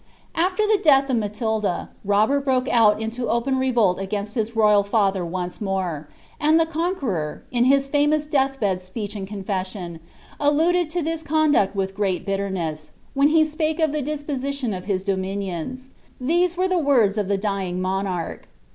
*^ After the death of Matilda, Robert broke out into open revolt ogaiiM his Toyal father once more ; and the Contiueror. io his famous death btd speech and confession, alluded to this conduct with great biltetoett, wliea he spake of the disposition of his dominions: these were the words of the dying iDonarch.